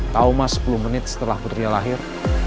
tahu mas sepuluh menit setelah putrinya lahir